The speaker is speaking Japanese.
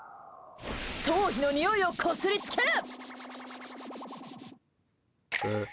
頭皮のにおいをこすりつける！